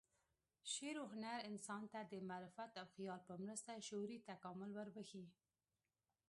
شعر و هنر انسان ته د معرفت او خیال په مرسته شعوري تکامل وربخښي.